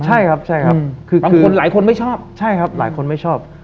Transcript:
ใช่ครับใช่ครับคือบางคนหลายคนไม่ชอบใช่ครับหลายคนไม่ชอบ